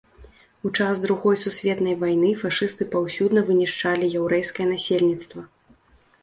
У час другой сусветнай вайны фашысты паўсюдна вынішчалі яўрэйскае насельніцтва.